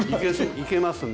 いけますね